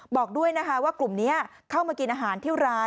บอกด้วยนะคะว่ากลุ่มนี้เข้ามากินอาหารที่ร้าน